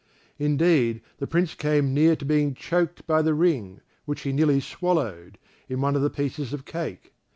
Indeed, the Prince came near to being choked by the ring, which he nearly swallowed, in one of the pieces of cake.